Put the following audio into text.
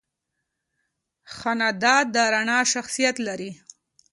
جانداد د رڼا شخصیت لري.